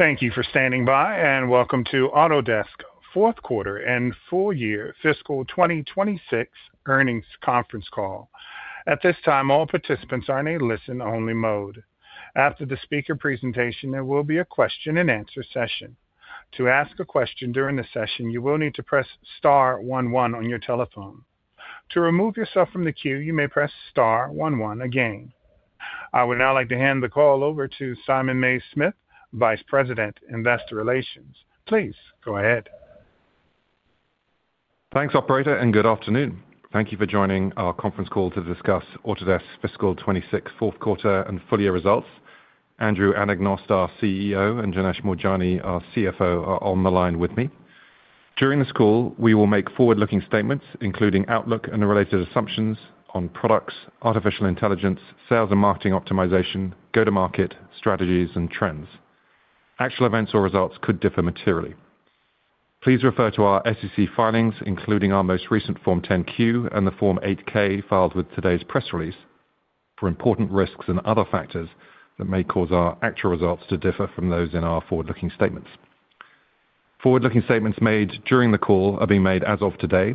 Thank you for standing by, welcome to Autodesk Fourth Quarter and Full year Fiscal 2026 Earnings Conference Call. At this time, all participants are in a listen-only mode. After the speaker presentation, there will be a question-and-answer session. To ask a question during the session, you will need to press star one one on your telephone. To remove yourself from the queue, you may press star one one again. I would now like to hand the call over to Simon Mays-Smith, Vice President, Investor Relations. Please go ahead. Thanks, operator, good afternoon. Thank you for joining our conference call to discuss Autodesk Fiscal 2026 Fourth Quarter and Full Year Results. Andrew Anagnost, our CEO, and Janesh Moorjani, our CFO, are on the line with me. During this call, we will make forward-looking statements, including outlook and related assumptions on products, artificial intelligence, sales and marketing optimization, go-to-market, strategies, and trends. Actual events or results could differ materially. Please refer to our SEC filings, including our most recent Form 10-Q and the Form 8-K filed with today's press release for important risks and other factors that may cause our actual results to differ from those in our forward-looking statements. Forward-looking statements made during the call are being made as of today.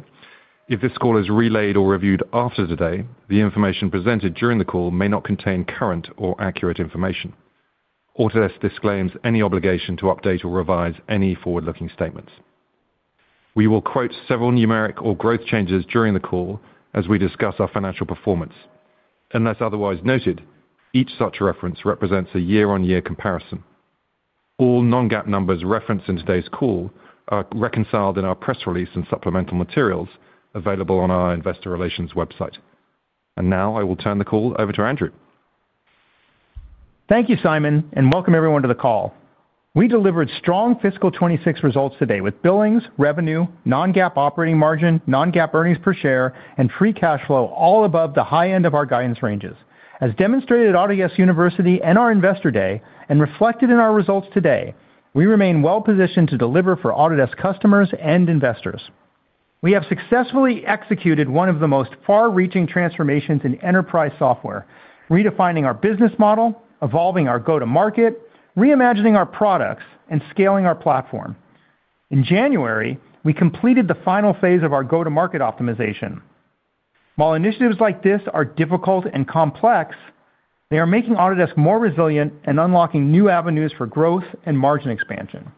If this call is relayed or reviewed after today, the information presented during the call may not contain current or accurate information. Autodesk disclaims any obligation to update or revise any forward-looking statements. We will quote several numeric or growth changes during the call as we discuss our financial performance. Unless otherwise noted, each such reference represents a year-on-year comparison. All non-GAAP numbers referenced in today's call are reconciled in our press release and supplemental materials available on our investor relations website. Now I will turn the call over to Andrew. Thank you, Simon, and welcome everyone to the call. We delivered strong fiscal 2026 results today with billings, revenue, non-GAAP operating margin, non-GAAP earnings per share, and free cash flow all above the high end of our guidance ranges. As demonstrated at Autodesk University and our Investor Day and reflected in our results today, we remain well positioned to deliver for Autodesk customers and investors. We have successfully executed one of the most far-reaching transformations in enterprise software, redefining our business model, evolving our go-to-market, reimagining our products, and scaling our platform. In January, we completed the final phase of our go-to-market optimization. While initiatives like this are difficult and complex, they are making Autodesk more resilient and unlocking new avenues for growth and margin expansion.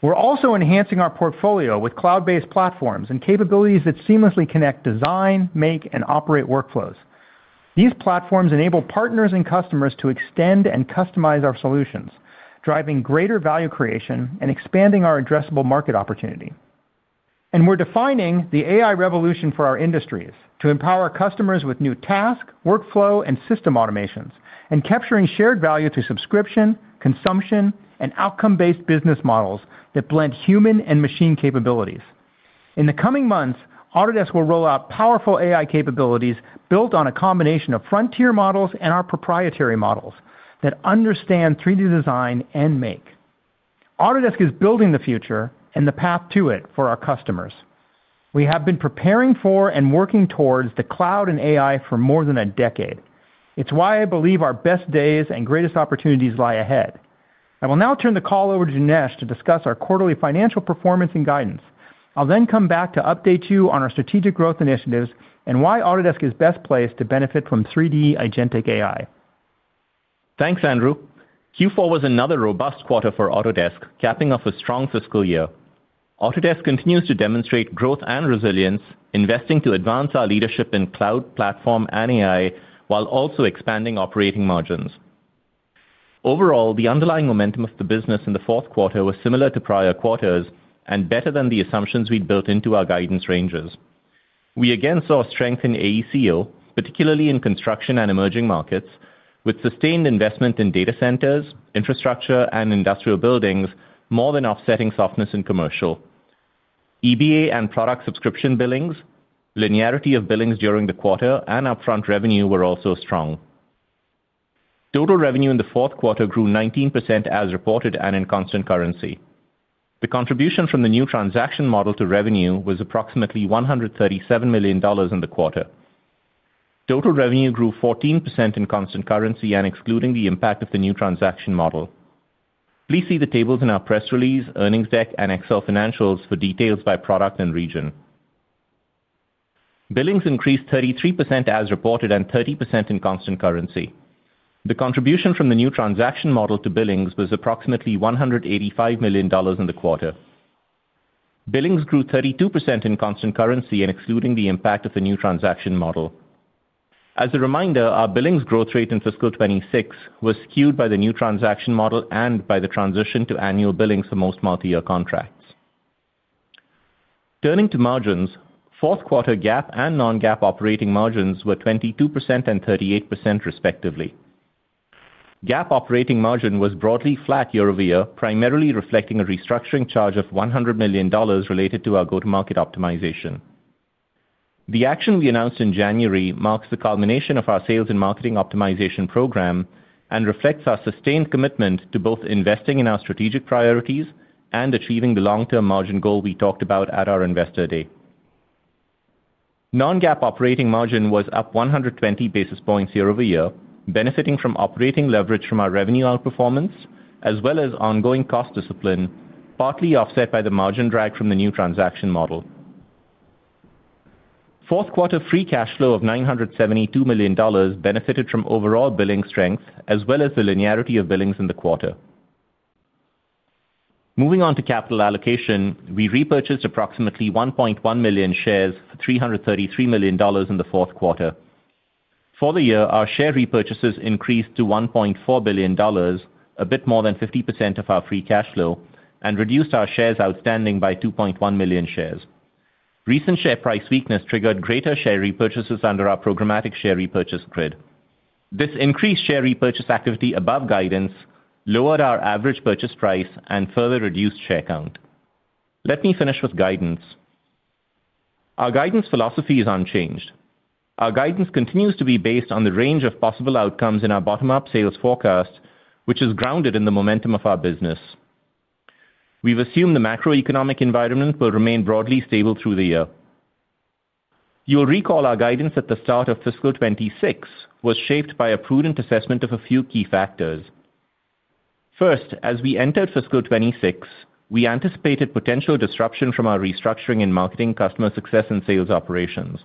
We're also enhancing our portfolio with cloud-based platforms and capabilities that seamlessly connect design, make, and operate workflows. These platforms enable partners and customers to extend and customize our solutions, driving greater value creation and expanding our addressable market opportunity. We're defining the AI revolution for our industries to empower customers with new task, workflow, and system automations, and capturing shared value through subscription, consumption, and outcome-based business models that blend human and machine capabilities. In the coming months, Autodesk will roll out powerful AI capabilities built on a combination of frontier models and our proprietary models that understand 3D design and make. Autodesk is building the future and the path to it for our customers. We have been preparing for and working towards the cloud and AI for more than a decade. It's why I believe our best days and greatest opportunities lie ahead. I will now turn the call over to Janesh to discuss our quarterly financial performance and guidance. I'll come back to update you on our strategic growth initiatives and why Autodesk is best placed to benefit from 3D agentic AI. Thanks, Andrew. Q4 was another robust quarter for Autodesk, capping off a strong fiscal year. Autodesk continues to demonstrate growth and resilience, investing to advance our leadership in cloud platform and AI, while also expanding operating margins. Overall, the underlying momentum of the business in the fourth quarter was similar to prior quarters and better than the assumptions we'd built into our guidance ranges. We again saw strength in AEC, particularly in construction and emerging markets, with sustained investment in data centers, infrastructure, and industrial buildings more than offsetting softness in commercial. EBA and product subscription billings, linearity of billings during the quarter, and upfront revenue were also strong. Total revenue in the fourth quarter grew 19% as reported and in constant currency. The contribution from the new transaction model to revenue was approximately $137 million in the quarter. Total revenue grew 14% in constant currency and excluding the impact of the new transaction model. Please see the tables in our press release, earnings deck, and Excel financials for details by product and region. Billings increased 33% as reported and 30% in constant currency. The contribution from the new transaction model to billings was approximately $185 million in the quarter. Billings grew 32% in constant currency and excluding the impact of the new transaction model. As a reminder, our billings growth rate in fiscal 2026 was skewed by the new transaction model and by the transition to annual billings for most multi-year contracts. Turning to margins, fourth quarter GAAP and non-GAAP operating margins were 22% and 38% respectively. GAAP operating margin was broadly flat year-over-year, primarily reflecting a restructuring charge of $100 million related to our go-to-market optimization. The action we announced in January marks the culmination of our sales and marketing optimization program and reflects our sustained commitment to both investing in our strategic priorities and achieving the long-term margin goal we talked about at our Investor Day. non-GAAP operating margin was up 120 basis points year-over-year, benefiting from operating leverage from our revenue outperformance, as well as ongoing cost discipline, partly offset by the margin drag from the new transaction model. Fourth quarter free cash flow of $972 million benefited from overall billing strength, as well as the linearity of billings in the quarter. Moving on to capital allocation, we repurchased approximately 1.1 million shares for $333 million in the fourth quarter. For the year, our share repurchases increased to $1.4 billion, a bit more than 50% of our free cash flow, and reduced our shares outstanding by 2.1 million shares. Recent share price weakness triggered greater share repurchases under our programmatic share repurchase grid. This increased share repurchase activity above guidance, lowered our average purchase price, and further reduced share count. Let me finish with guidance. Our guidance philosophy is unchanged. Our guidance continues to be based on the range of possible outcomes in our bottom-up sales forecast, which is grounded in the momentum of our business. We've assumed the macroeconomic environment will remain broadly stable through the year. You'll recall our guidance at the start of fiscal 2026 was shaped by a prudent assessment of a few key factors. First, as we entered fiscal 2026, we anticipated potential disruption from our restructuring in marketing, customer success, and sales operations.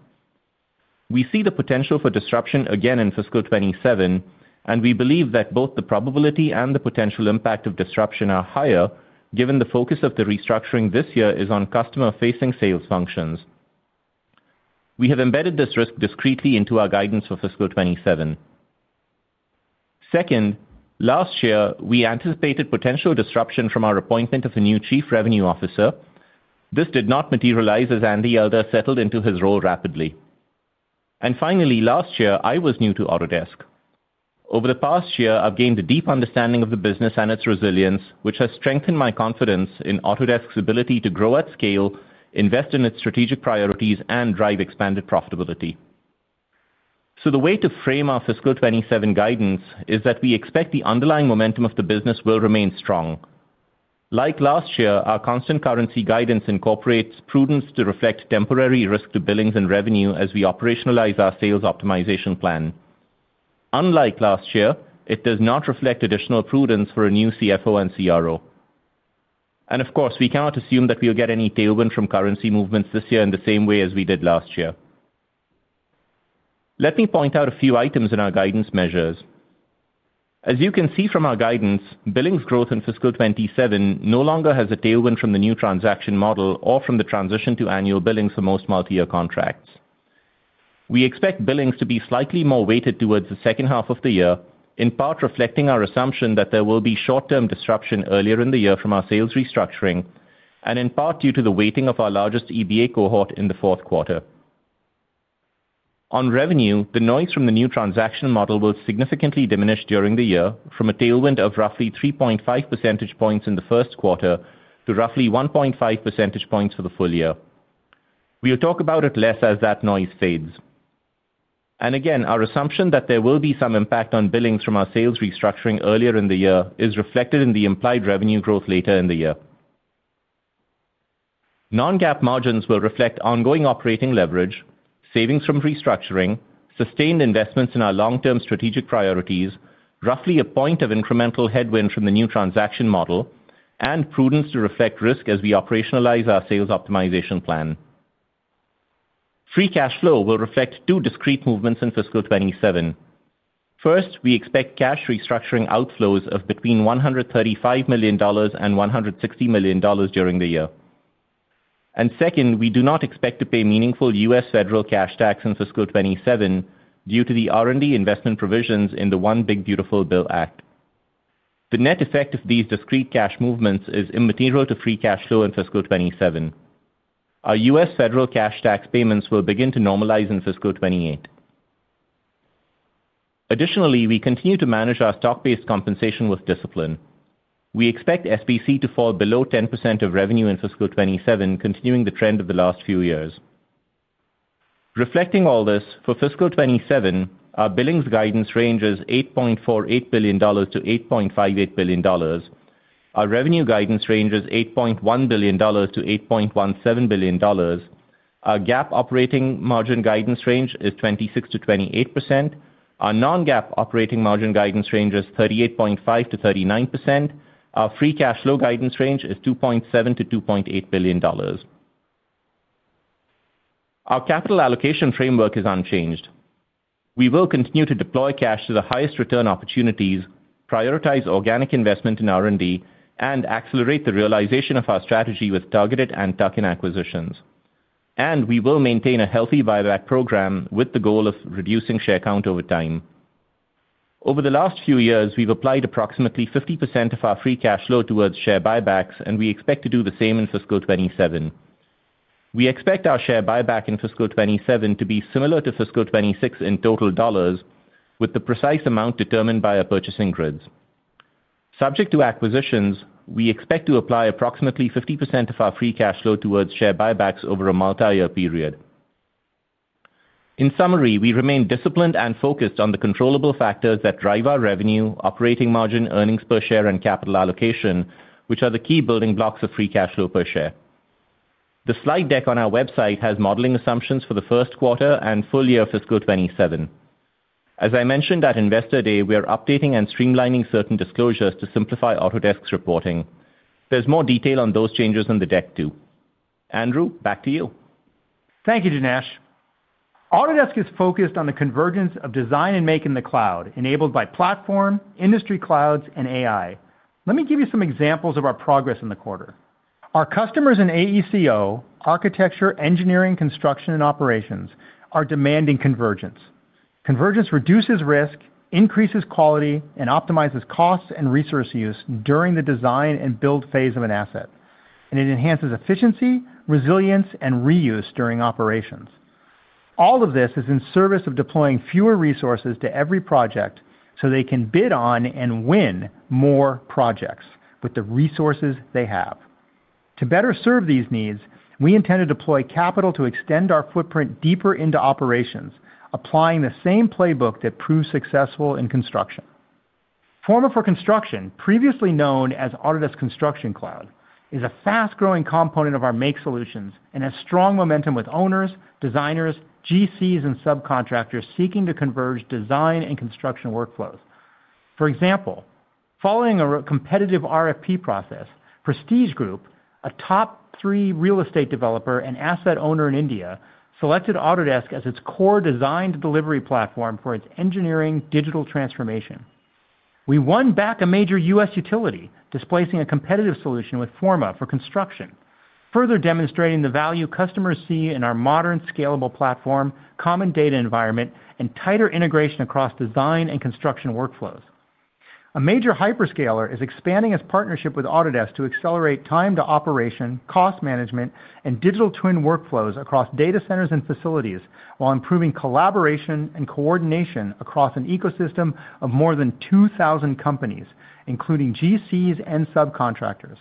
We see the potential for disruption again in fiscal 2027. We believe that both the probability and the potential impact of disruption are higher, given the focus of the restructuring this year is on customer-facing sales functions. We have embedded this risk discretely into our guidance for fiscal 2027. Second, last year, we anticipated potential disruption from our appointment of a new Chief Revenue Officer. This did not materialize, as Andy Elder settled into his role rapidly. Finally, last year, I was new to Autodesk. Over the past year, I've gained a deep understanding of the business and its resilience, which has strengthened my confidence in Autodesk's ability to grow at scale, invest in its strategic priorities, and drive expanded profitability. The way to frame our fiscal 2027 guidance is that we expect the underlying momentum of the business will remain strong. Like last year, our constant currency guidance incorporates prudence to reflect temporary risk to billings and revenue as we operationalize our sales optimization plan. Unlike last year, it does not reflect additional prudence for a new CFO and CRO. Of course, we cannot assume that we'll get any tailwind from currency movements this year in the same way as we did last year. Let me point out a few items in our guidance measures. As you can see from our guidance, billings growth in fiscal 2027 no longer has a tailwind from the new transaction model or from the transition to annual billings for most multi-year contracts. We expect billings to be slightly more weighted towards the second half of the year, in part reflecting our assumption that there will be short-term disruption earlier in the year from our sales restructuring, and in part due to the weighting of our largest EBA cohort in the fourth quarter. On revenue, the noise from the new transaction model will significantly diminish during the year from a tailwind of roughly 3.5 percentage points in the first quarter to roughly 1.5 percentage points for the full year. We will talk about it less as that noise fades. Again, our assumption that there will be some impact on billings from our sales restructuring earlier in the year is reflected in the implied revenue growth later in the year. non-GAAP margins will reflect ongoing operating leverage, savings from restructuring, sustained investments in our long-term strategic priorities, roughly a point of incremental headwind from the new transaction model, and prudence to reflect risk as we operationalize our sales optimization plan. Free cash flow will reflect two discrete movements in fiscal 2027. First, we expect cash restructuring outflows of between $135 million and $160 million during the year. Second, we do not expect to pay meaningful U.S. federal cash tax in fiscal 2027 due to the R&D investment provisions in the One Big Beautiful Bill Act. The net effect of these discrete cash movements is immaterial to free cash flow in fiscal 2027. Our U.S. federal cash tax payments will begin to normalize in fiscal 2028. Additionally, we continue to manage our stock-based compensation with discipline. We expect SBC to fall below 10% of revenue in fiscal 2027, continuing the trend of the last few years. Reflecting all this, for fiscal 2027, our billings guidance range is $8.48 billion-$8.58 billion. Our revenue guidance range is $8.1 billion-$8.17 billion. Our GAAP operating margin guidance range is 26%-28%. Our non-GAAP operating margin guidance range is 38.5%-39%. Our free cash flow guidance range is $2.7 billion-$2.8 billion. Our capital allocation framework is unchanged. We will continue to deploy cash to the highest return opportunities, prioritize organic investment in R&D, and accelerate the realization of our strategy with targeted and tuck-in acquisitions. We will maintain a healthy buyback program with the goal of reducing share count over time. Over the last few years, we've applied approximately 50% of our free cash flow towards share buybacks, and we expect to do the same in fiscal 2027. We expect our share buyback in fiscal 2027 to be similar to fiscal 2026 in total dollars, with the precise amount determined by our purchasing grids. Subject to acquisitions, we expect to apply approximately 50% of our free cash flow towards share buybacks over a multi-year period. In summary, we remain disciplined and focused on the controllable factors that drive our revenue, operating margin, earnings per share, and capital allocation, which are the key building blocks of free cash flow per share. The slide deck on our website has modeling assumptions for the first quarter and full year of fiscal 2027. As I mentioned at Investor Day, we are updating and streamlining certain disclosures to simplify Autodesk's reporting. There's more detail on those changes in the deck too. Andrew, back to you. Thank you, Janesh. Autodesk is focused on the convergence of design and make in the cloud, enabled by platform, industry clouds, and AI. Let me give you some examples of our progress in the quarter. Our customers in AECO, architecture, engineering, construction, and operations, are demanding convergence. Convergence reduces risk, increases quality, and optimizes costs and resource use during the design and build phase of an asset. It enhances efficiency, resilience, and reuse during operations. All of this is in service of deploying fewer resources to every project, so they can bid on and win more projects with the resources they have. To better serve these needs, we intend to deploy capital to extend our footprint deeper into operations, applying the same playbook that proved successful in construction. Forma for Construction, previously known as Autodesk Construction Cloud, is a fast-growing component of our make solutions and has strong momentum with owners, designers, GCs, and subcontractors seeking to converge design and construction workflows. For example, following a re-competitive RFP process, Prestige Group, a top three real estate developer and asset owner in India, selected Autodesk as its core design delivery platform for its engineering digital transformation. We won back a major U.S. utility, displacing a competitive solution with Forma for Construction, further demonstrating the value customers see in our modern, scalable platform, common data environment, and tighter integration across design and construction workflows. A major hyperscaler is expanding its partnership with Autodesk to accelerate time to operation, cost management, and digital twin workflows across data centers and facilities, while improving collaboration and coordination across an ecosystem of more than 2,000 companies, including GCs and subcontractors.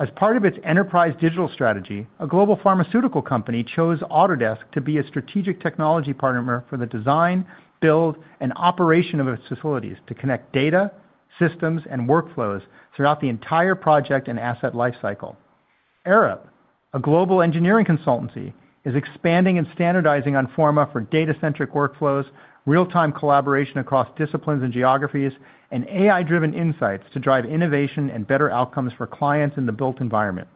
As part of its enterprise digital strategy, a global pharmaceutical company chose Autodesk to be a strategic technology partner for the design, build, and operation of its facilities to connect data, systems, and workflows throughout the entire project and asset life cycle. Arup, a global engineering consultancy, is expanding and standardizing on Forma for data-centric workflows, real-time collaboration across disciplines and geographies, and AI-driven insights to drive innovation and better outcomes for clients in the built environment.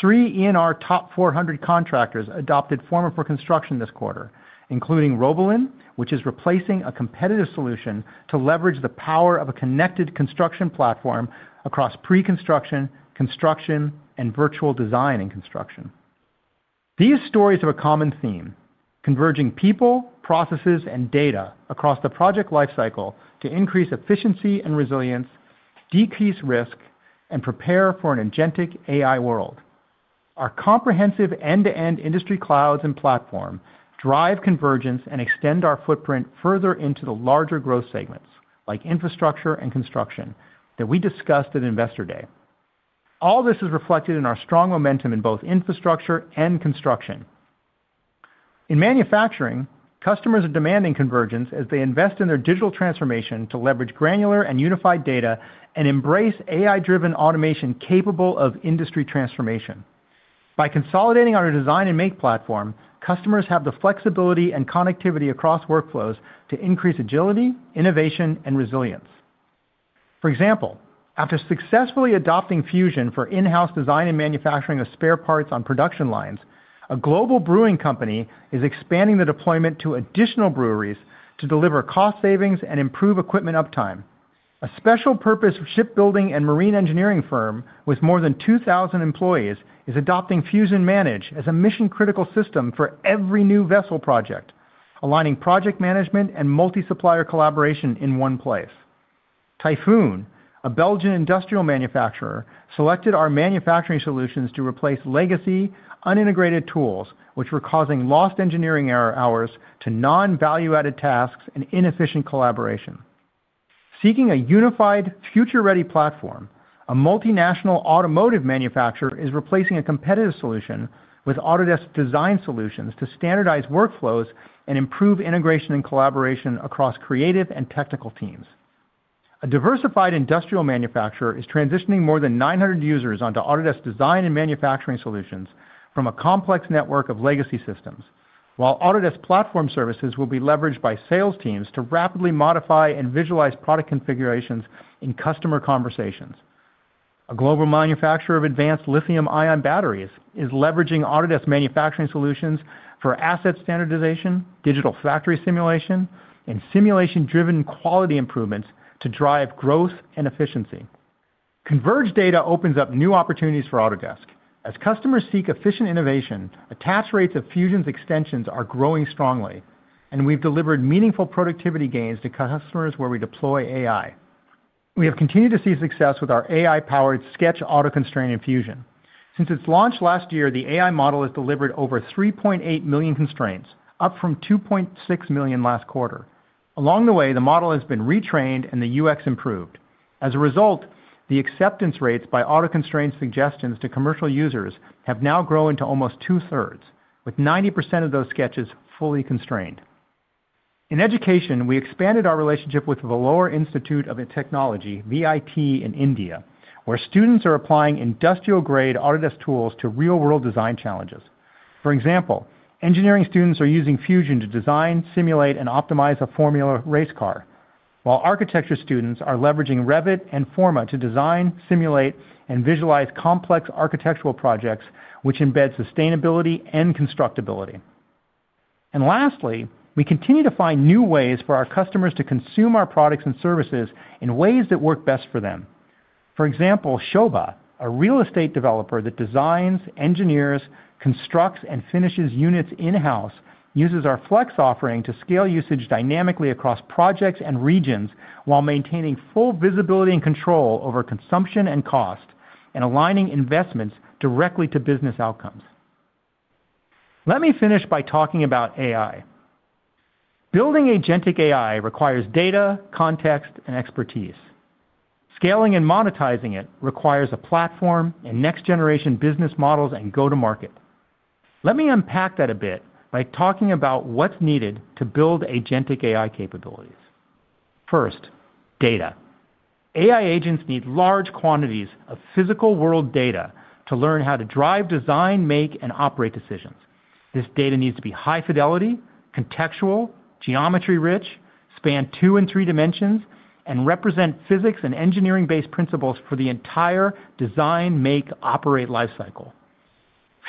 3 ENR top 400 contractors adopted Forma for Construction this quarter, including Robins, which is replacing a competitive solution to leverage the power of a connected construction platform across pre-construction, construction, and virtual design and construction. These stories have a common theme: converging people, processes, and data across the project life cycle to increase efficiency and resilience, decrease risk, and prepare for an agentic AI world. Our comprehensive end-to-end industry clouds and platform drive convergence and extend our footprint further into the larger growth segments, like infrastructure and construction, that we discussed at Investor Day. All this is reflected in our strong momentum in both infrastructure and construction. In manufacturing, customers are demanding convergence as they invest in their digital transformation to leverage granular and unified data and embrace AI-driven automation capable of industry transformation. By consolidating on a design and make platform, customers have the flexibility and connectivity across workflows to increase agility, innovation, and resilience. For example, after successfully adopting Fusion for in-house design and manufacturing of spare parts on production lines, a global brewing company is expanding the deployment to additional breweries to deliver cost savings and improve equipment uptime. A special purpose shipbuilding and marine engineering firm with more than 2,000 employees is adopting Fusion Manage as a mission-critical system for every new vessel project, aligning project management and multi-supplier collaboration in one place. Typhoon, a Belgian industrial manufacturer, selected our manufacturing solutions to replace legacy unintegrated tools, which were causing lost engineering error hours to non-value-added tasks and inefficient collaboration. Seeking a unified future-ready platform, a multinational automotive manufacturer is replacing a competitive solution with Autodesk design solutions to standardize workflows and improve integration and collaboration across creative and technical teams. A diversified industrial manufacturer is transitioning more than 900 users onto Autodesk design and manufacturing solutions from a complex network of legacy systems, while Autodesk Platform Services will be leveraged by sales teams to rapidly modify and visualize product configurations in customer conversations. A global manufacturer of advanced lithium-ion batteries is leveraging Autodesk manufacturing solutions for asset standardization, digital factory simulation, and simulation-driven quality improvements to drive growth and efficiency. Converged data opens up new opportunities for Autodesk. As customers seek efficient innovation, attach rates of Fusion's extensions are growing strongly, and we've delivered meaningful productivity gains to customers where we deploy AI. We have continued to see success with our AI-powered Sketch AutoConstrain in Fusion. Since its launch last year, the AI model has delivered over 3.8 million constraints, up from 2.6 million last quarter. Along the way, the model has been retrained and the UX improved. As a result, the acceptance rates by AutoConstrain suggestions to commercial users have now grown to almost two-thirds, with 90% of those sketches fully constrained. In education, we expanded our relationship with Vellore Institute of Technology, VIT, in India, where students are applying industrial-grade Autodesk tools to real-world design challenges. For example, engineering students are using Fusion to design, simulate, and optimize a formula race car, while architecture students are leveraging Revit and Forma to design, simulate, and visualize complex architectural projects, which embed sustainability and constructability. Lastly, we continue to find new ways for our customers to consume our products and services in ways that work best for them. For example, Sobha, a real estate developer that designs, engineers, constructs, and finishes units in-house, uses our Flex offering to scale usage dynamically across projects and regions, while maintaining full visibility and control over consumption and cost and aligning investments directly to business outcomes. Let me finish by talking about AI. Building agentic AI requires data, context, and expertise. Scaling and monetizing it requires a platform and next-generation business models and go-to-market. Let me unpack that a bit by talking about what's needed to build agentic AI capabilities. First, data. AI agents need large quantities of physical world data to learn how to drive, design, make, and operate decisions. This data needs to be high fidelity, contextual, geometry-rich, span two and three dimensions, and represent physics and engineering-based principles for the entire design, make, operate lifecycle.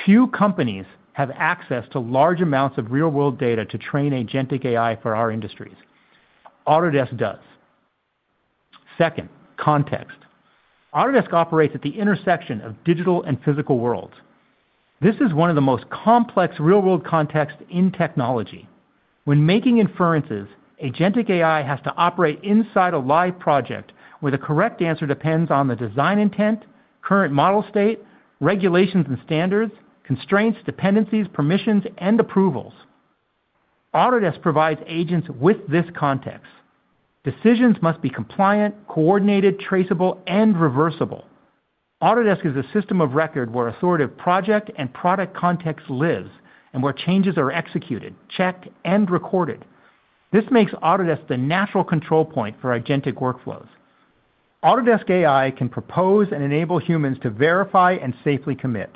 Few companies have access to large amounts of real-world data to train agentic AI for our industries. Autodesk does. Second, context. Autodesk operates at the intersection of digital and physical worlds. This is one of the most complex real-world contexts in technology. When making inferences, agentic AI has to operate inside a live project, where the correct answer depends on the design intent, current model state, regulations and standards, constraints, dependencies, permissions, and approvals. Autodesk provides agents with this context. Decisions must be compliant, coordinated, traceable, and reversible. Autodesk is a system of record where authoritative project and product context lives and where changes are executed, checked, and recorded. This makes Autodesk the natural control point for agentic workflows. Autodesk AI can propose and enable humans to verify and safely commit.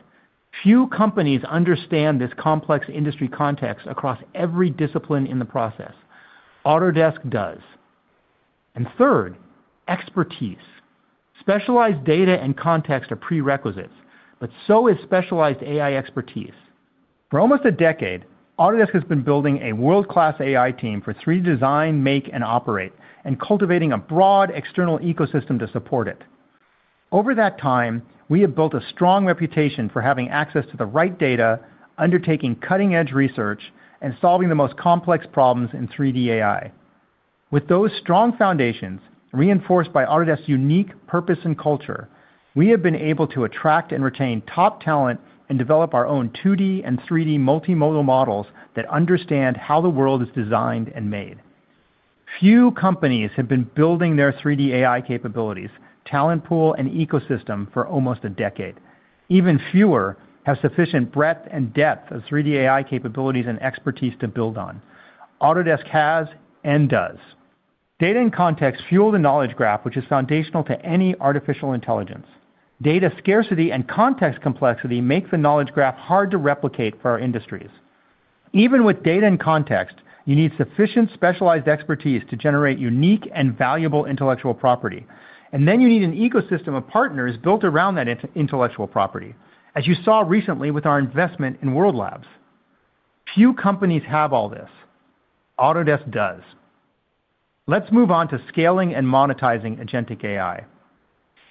Few companies understand this complex industry context across every discipline in the process. Autodesk does. Third, expertise. Specialized data and context are prerequisites, but so is specialized AI expertise. For almost a decade, Autodesk has been building a world-class AI team for 3D design, make, and operate, and cultivating a broad external ecosystem to support it. Over that time, we have built a strong reputation for having access to the right data, undertaking cutting-edge research, and solving the most complex problems in 3D AI. With those strong foundations, reinforced by Autodesk's unique purpose and culture, we have been able to attract and retain top talent and develop our own 2D and 3D multimodal models that understand how the world is designed and made. Few companies have been building their 3D AI capabilities, talent pool, and ecosystem for almost a decade. Even fewer have sufficient breadth and depth of 3D AI capabilities and expertise to build on. Autodesk has and does. Data and context fuel the knowledge graph, which is foundational to any artificial intelligence. Data scarcity and context complexity make the knowledge graph hard to replicate for our industries. Even with data and context, you need sufficient specialized expertise to generate unique and valuable intellectual property, then you need an ecosystem of partners built around that intellectual property, as you saw recently with our investment in World Labs. Few companies have all this. Autodesk does. Let's move on to scaling and monetizing agentic AI.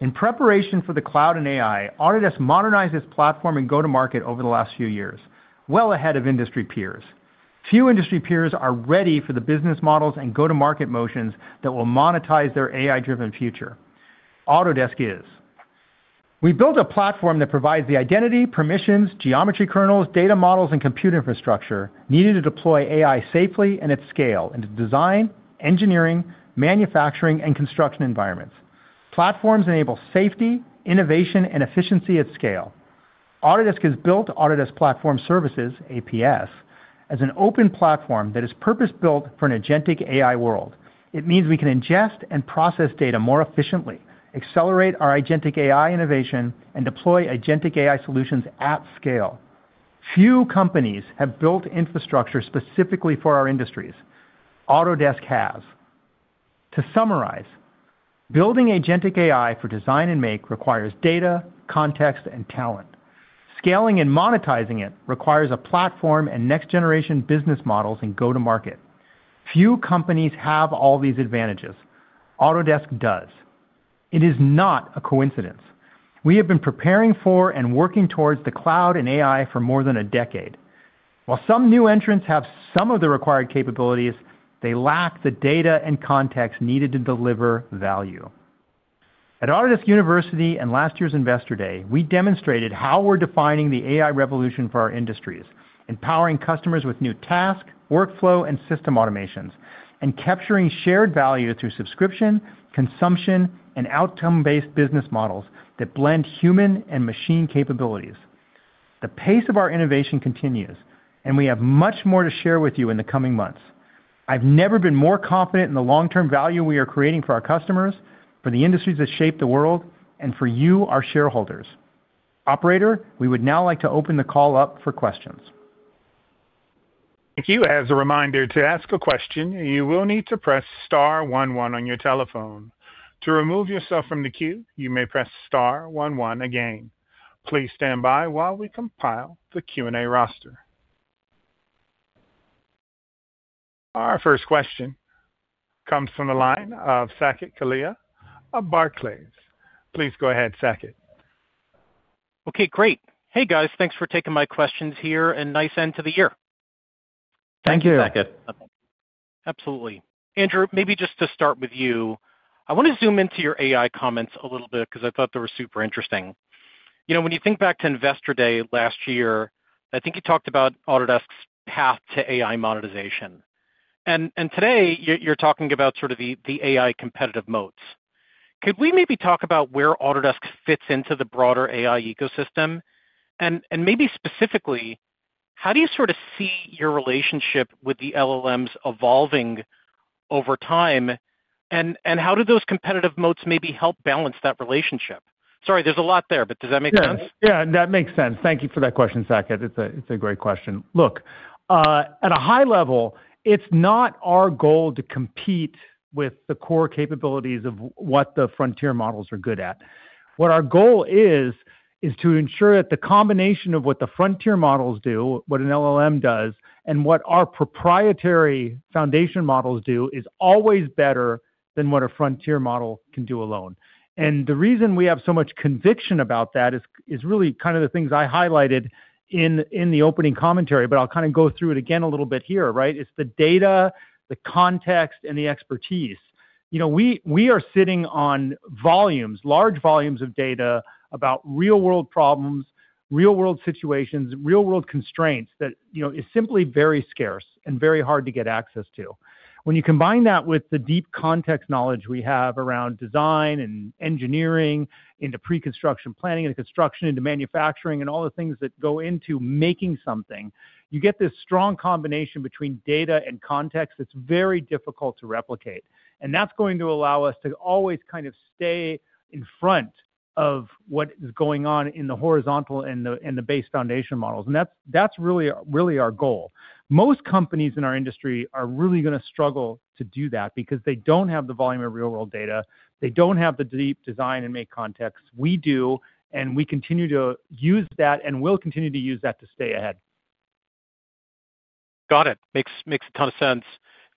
In preparation for the cloud and AI, Autodesk modernized its platform and go-to-market over the last few years, well ahead of industry peers. Few industry peers are ready for the business models and go-to-market motions that will monetize their AI-driven future. Autodesk is. We built a platform that provides the identity, permissions, geometry kernels, data models, and compute infrastructure needed to deploy AI safely and at scale into design, engineering, manufacturing, and construction environments. Platforms enable safety, innovation, and efficiency at scale. Autodesk has built Autodesk Platform Services, APS, as an open platform that is purpose-built for an agentic AI world. It means we can ingest and process data more efficiently, accelerate our agentic AI innovation, and deploy agentic AI solutions at scale. Few companies have built infrastructure specifically for our industries. Autodesk has. To summarize, building agentic AI for design and make requires data, context, and talent. Scaling and monetizing it requires a platform and next-generation business models and go-to-market. Few companies have all these advantages. Autodesk does. It is not a coincidence. We have been preparing for and working towards the cloud and AI for more than a decade. While some new entrants have some of the required capabilities, they lack the data and context needed to deliver value. At Autodesk University and last year's Investor Day, we demonstrated how we're defining the AI revolution for our industries, empowering customers with new task, workflow, and system automations, and capturing shared value through subscription, consumption, and outcome-based business models that blend human and machine capabilities. The pace of our innovation continues, and we have much more to share with you in the coming months. I've never been more confident in the long-term value we are creating for our customers, for the industries that shape the world, and for you, our shareholders. Operator, we would now like to open the call up for questions. Thank you. As a reminder, to ask a question, you will need to press star one one on your telephone. To remove yourself from the queue, you may press star one one again. Please stand by while we compile the Q&A roster. Our first question comes from the line of Saket Kalia of Barclays. Please go ahead, Saket. Okay, great. Hey, guys. Thanks for taking my questions here and nice end to the year. Thank you. Thank you, Saket. Absolutely. Andrew, maybe just to start with you. I want to zoom into your AI comments a little bit because I thought they were super interesting. You know, when you think back to Investor Day last year, I think you talked about Autodesk's path to AI monetization. Today you're talking about sort of the AI competitive moats. Could we maybe talk about where Autodesk fits into the broader AI ecosystem? And maybe specifically, how do you sort of see your relationship with the LLMs evolving over time? And how do those competitive moats maybe help balance that relationship? Sorry, there's a lot there, but does that make sense? Yeah. Yeah, that makes sense. Thank you for that question, Saket. It's a great question. Look, at a high level, it's not our goal to compete with the core capabilities of what the frontier models are good at. What our goal is to ensure that the combination of what the frontier models do, what an LLM does, and what our proprietary foundation models do, is always better than what a frontier model can do alone. The reason we have so much conviction about that is really kind of the things I highlighted in the opening commentary, but I'll kind of go through it again a little bit here, right? It's the data, the context, and the expertise. You know, we are sitting on volumes, large volumes of data about real-world problems, real-world situations, real-world constraints that, you know, is simply very scarce and very hard to get access to. When you combine that with the deep context knowledge we have around design and engineering into preconstruction planning and construction into manufacturing and all the things that go into making something, you get this strong combination between data and context that's very difficult to replicate. That's going to allow us to always kind of stay in front of what is going on in the horizontal and the base foundation models. That's really, really our goal. Most companies in our industry are really gonna struggle to do that because they don't have the volume of real-world data. They don't have the deep design and make context. We do, and we continue to use that and will continue to use that to stay ahead. Got it. Makes a ton of sense.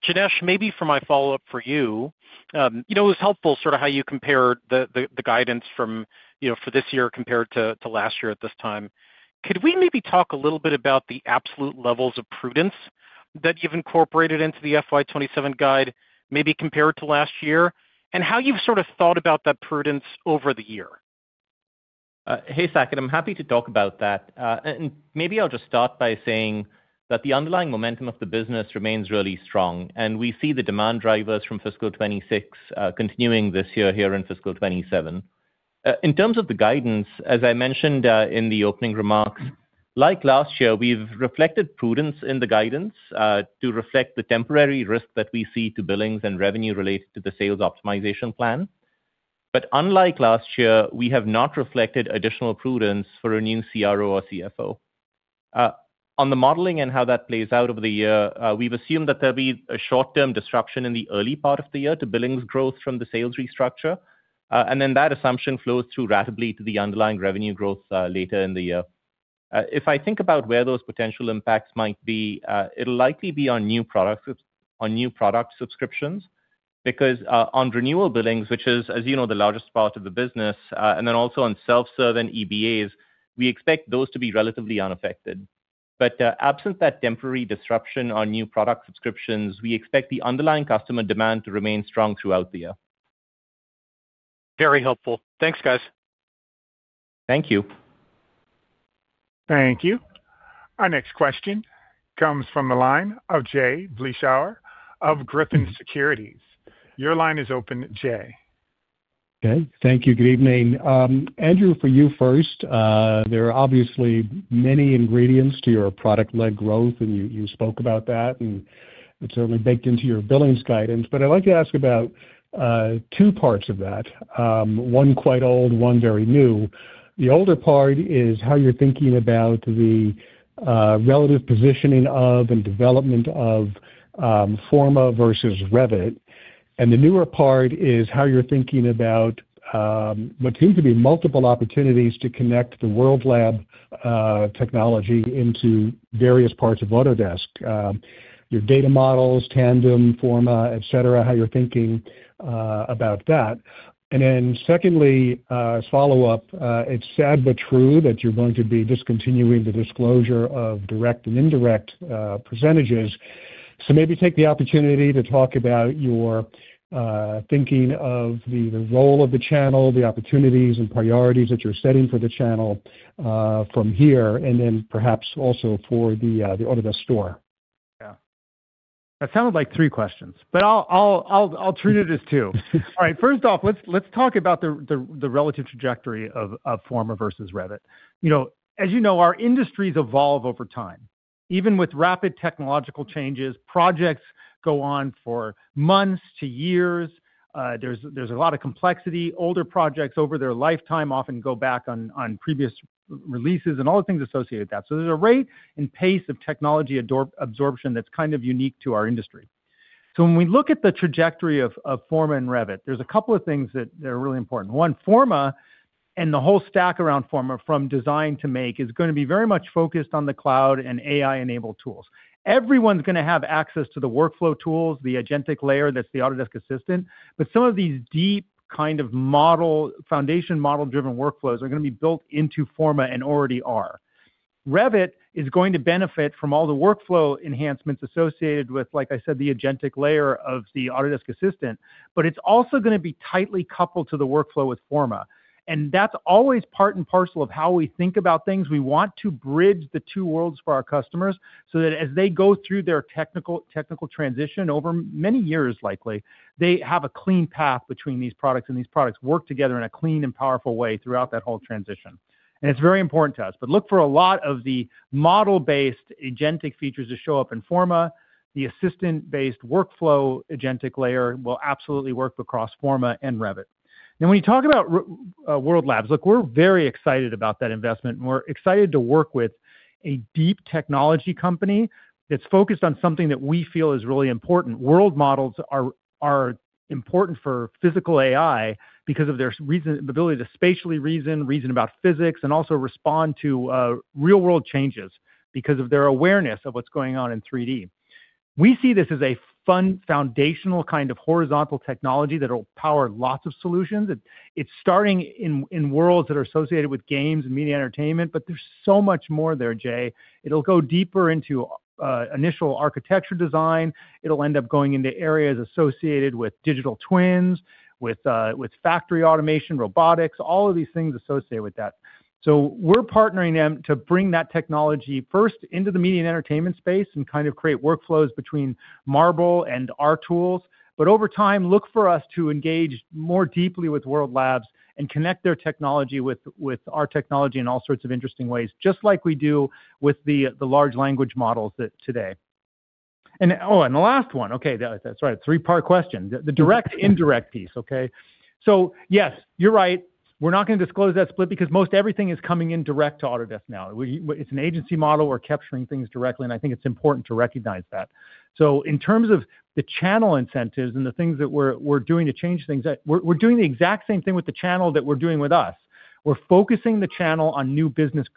Janesh, maybe for my follow-up for you. You know, it was helpful sort of how you compare the guidance from, you know, for this year compared to last year at this time. Could we maybe talk a little bit about the absolute levels of prudence that you've incorporated into the FY 2027 guide, maybe compared to last year, and how you've sort of thought about that prudence over the year? Hey, Saket. I'm happy to talk about that. Maybe I'll just start by saying that the underlying momentum of the business remains really strong, and we see the demand drivers from fiscal 2026 continuing this year here in fiscal 2027. In terms of the guidance, as I mentioned in the opening remarks, like last year, we've reflected prudence in the guidance to reflect the temporary risk that we see to billings and revenue related to the sales optimization plan. Unlike last year, we have not reflected additional prudence for a new CRO or CFO. On the modeling and how that plays out over the year, we've assumed that there'll be a short-term disruption in the early part of the year to billings growth from the sales restructure. That assumption flows through ratably to the underlying revenue growth later in the year. If I think about where those potential impacts might be, it'll likely be on new product subscriptions because on renewal billings, which is, as you know, the largest part of the business, and then also on self-serve and EBAs, we expect those to be relatively unaffected. Absent that temporary disruption on new product subscriptions, we expect the underlying customer demand to remain strong throughout the year. Very helpful. Thanks, guys. Thank you. Thank you. Our next question comes from the line of Jay Vleeschhouwer of Griffin Securities. Your line is open, Jay. Okay. Thank you. Good evening. Andrew, for you first, there are obviously many ingredients to your product-led growth, and you spoke about that, and it's certainly baked into your billings guidance. I'd like to ask about two parts of that. One quite old, one very new. The older part is how you're thinking about the relative positioning of and development of Forma versus Revit. The newer part is how you're thinking about what seem to be multiple opportunities to connect The WorldLab technology into various parts of Autodesk, your data models, Tandem, Forma, et cetera, how you're thinking about that. Secondly, as follow-up, it's sad but true that you're going to be discontinuing the disclosure of direct and indirect percentages. Maybe take the opportunity to talk about your thinking of the role of the channel, the opportunities and priorities that you're setting for the channel from here and perhaps also for the Autodesk Store. Yeah. That sounded like three questions, but I'll treat it as two. All right. First off, let's talk about the relative trajectory of Forma versus Revit. You know, as you know, our industries evolve over time. Even with rapid technological changes, projects go on for months to years. There's a lot of complexity. Older projects over their lifetime often go back on previous releases and all the things associated with that. There's a rate and pace of technology absorption that's kind of unique to our industry. When we look at the trajectory of Forma and Revit, there's a couple of things that are really important. One, Forma and the whole stack around Forma from design to make, is gonna be very much focused on the cloud and AI-enabled tools. Everyone's gonna have access to the workflow tools, the agentic layer, that's the Autodesk Assistant, but some of these deep kind of model, foundation model-driven workflows are gonna be built into Forma and already are. Revit is going to benefit from all the workflow enhancements associated with, like I said, the agentic layer of the Autodesk Assistant, but it's also gonna be tightly coupled to the workflow with Forma. That's always part and parcel of how we think about things. We want to bridge the two worlds for our customers so that as they go through their technical transition over many years, likely, they have a clean path between these products, and these products work together in a clean and powerful way throughout that whole transition. It's very important to us. Look for a lot of the model-based agentic features to show up in Forma. The assistant-based workflow agentic layer will absolutely work across Forma and Revit. When you talk about World Labs, look, we're very excited about that investment, and we're excited to work with a deep technology company that's focused on something that we feel is really important. World models are important for physical AI because of their ability to spatially reason about physics, and also respond to real-world changes because of their awareness of what's going on in 3D. We see this as a fun, foundational, kind of horizontal technology that'll power lots of solutions. It's starting in worlds that are associated with games and media entertainment, but there's so much more there, Jay. It'll go deeper into initial architecture design. It'll end up going into areas associated with digital twins, with factory automation, robotics, all of these things associated with that. We're partnering them to bring that technology first into the media and entertainment space and kind of create workflows between Marble and our tools. Over time, look for us to engage more deeply with World Labs and connect their technology with our technology in all sorts of interesting ways, just like we do with the large language models today. The last one. Okay, that's right. A 3-part question. The direct/indirect piece. Okay? Yes, you're right. We're not gonna disclose that split because most everything is coming in direct to Autodesk now. It's an agency model. We're capturing things directly, and I think it's important to recognize that. In terms of the channel incentives and the things that we're doing to change things, we're doing the exact same thing with the channel that we're doing with us. We're focusing the channel on new business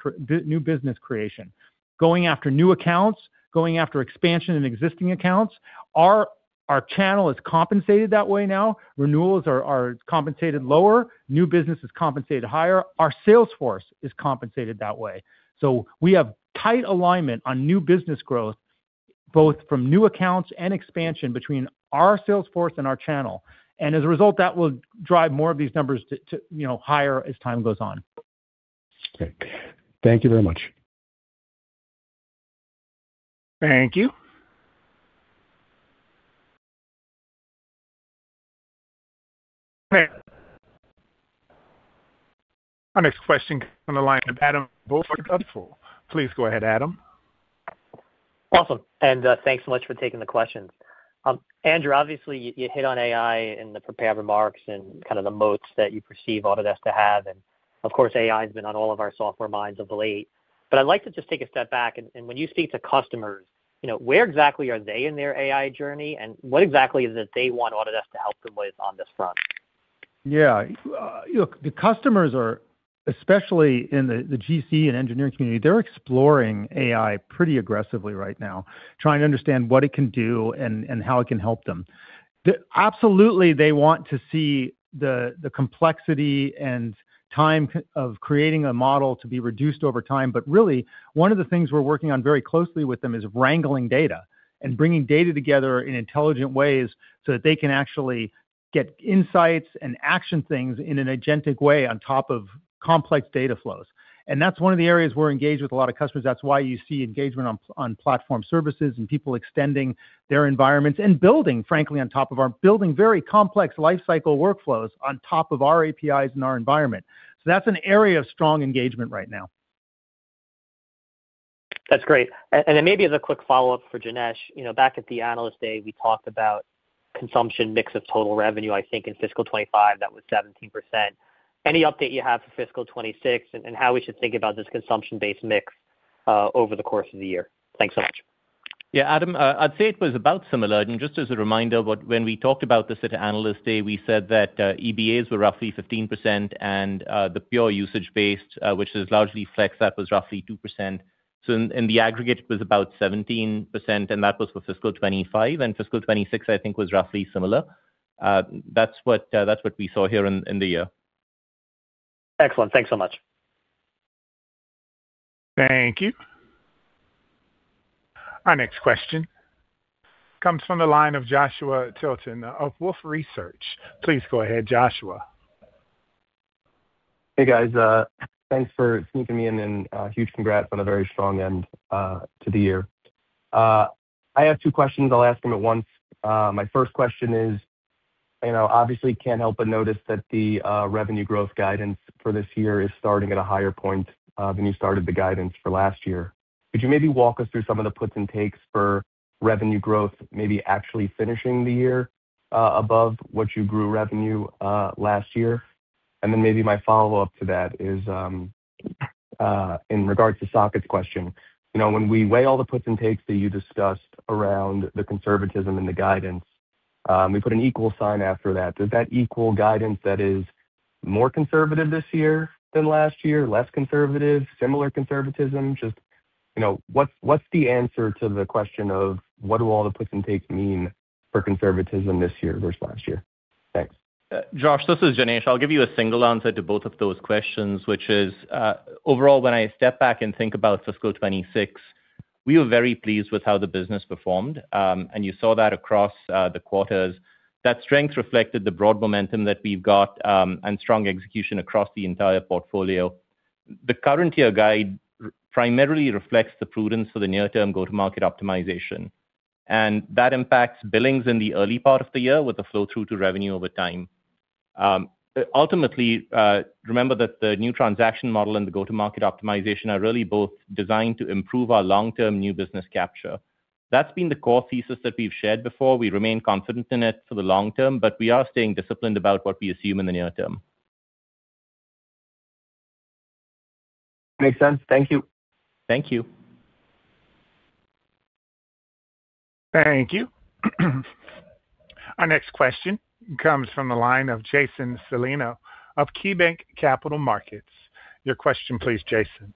creation, going after new accounts, going after expansion in existing accounts. Our channel is compensated that way now. Renewals are compensated lower. New business is compensated higher. Our sales force is compensated that way. We have tight alignment on new business growth, both from new accounts and expansion between our sales force and our channel. As a result, that will drive more of these numbers to, you know, higher as time goes on. Okay. Thank you very much. Thank you. Our next question comes on the line with Adam Bewick of Jefferies. Please go ahead, Adam. Awesome. Thanks so much for taking the questions. Andrew, obviously you hit on AI in the prepared remarks and kind of the moats that you perceive Autodesk to have. Of course, AI's been on all of our software minds of late. I'd like to just take a step back, when you speak to customers, you know, where exactly are they in their AI journey, and what exactly is it they want Autodesk to help them with on this front? Yeah. Look, the customers are, especially in the GC and engineering community, they're exploring AI pretty aggressively right now, trying to understand what it can do and how it can help them. Absolutely, they want to see the complexity and time of creating a model to be reduced over time. Really, one of the things we're working on very closely with them is wrangling data and bringing data together in intelligent ways so that they can actually get insights and action things in an agentic way on top of complex data flows. That's one of the areas we're engaged with a lot of customers. That's why you see engagement on platform services and people extending their environments and building, frankly, on top of our building very complex lifecycle workflows on top of our APIs and our environment. That's an area of strong engagement right now. That's great. Then maybe as a quick follow-up for Janesh, you know, back at the Investor Day, we talked about consumption mix of total revenue. I think in fiscal 2025, that was 17%. Any update you have for fiscal 2026 and how we should think about this consumption-based mix over the course of the year? Thanks so much. Yeah. Adam, I'd say it was about similar. Just as a reminder, but when we talked about this at Analyst Day, we said that EBAs were roughly 15% and the pure usage-based, which is largely Flex, that was roughly 2%. In the aggregate, it was about 17%, and that was for fiscal 2025. fiscal 2026, I think, was roughly similar. That's what we saw here in the year. Excellent. Thanks so much. Thank you. Our next question comes from the line of Joshua Tilton of Wolfe Research. Please go ahead, Joshua. Hey, guys. Thanks for sneaking me in, and huge congrats on a very strong end to the year. I have two questions. I'll ask them at once. My first question is, you know, obviously can't help but notice that the revenue growth guidance for this year is starting at a higher point than you started the guidance for last year. Could you maybe walk us through some of the puts and takes for revenue growth, maybe actually finishing the year above what you grew revenue last year? Then maybe my follow-up to that is, in regards to Saket's question, you know, when we weigh all the puts and takes that you discussed around the conservatism and the guidance, we put an equal sign after that. Does that equal guidance that is more conservative this year than last year, less conservative, similar conservatism? Just, you know, what's the answer to the question of what do all the puts and takes mean for conservatism this year versus last year? Thanks. Josh, this is Janesh. I'll give you a single answer to both of those questions, which is, overall, when I step back and think about fiscal 2026, we were very pleased with how the business performed, and you saw that across the quarters. That strength reflected the broad momentum that we've got, and strong execution across the entire portfolio. The current year guide primarily reflects the prudence for the near-term go-to-market optimization, and that impacts billings in the early part of the year with the flow-through to revenue over time. Ultimately, remember that the new transaction model and the go-to-market optimization are really both designed to improve our long-term new business capture. That's been the core thesis that we've shared before. We remain confident in it for the long term, but we are staying disciplined about what we assume in the near term. Makes sense. Thank you. Thank you. Thank you. Our next question comes from the line of Jason Celino of KeyBanc Capital Markets. Your question please, Jason.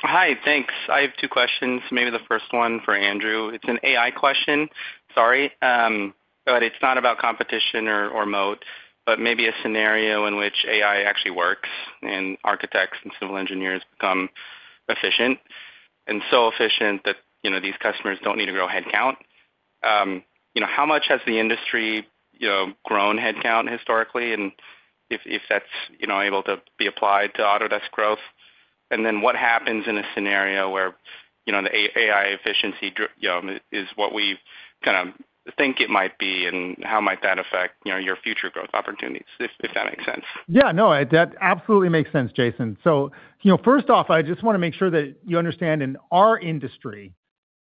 Hi. Thanks. I have two questions, maybe the first one for Andrew. It's an AI question. Sorry, but it's not about competition or moat, but maybe a scenario in which AI actually works and architects and civil engineers become efficient and so efficient that, you know, these customers don't need to grow headcount. You know, how much has the industry, you know, grown headcount historically, and if that's, you know, able to be applied to Autodesk growth? What happens in a scenario where, you know, the AI efficiency is what we kind of think it might be, and how might that affect, you know, your future growth opportunities, if that makes sense? Yeah, no, that absolutely makes sense, Jason. You know, first off, I just want to make sure that you understand in our industry,